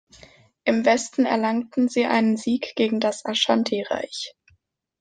Im Westen erlangten sie einen Sieg gegen das Aschantireich.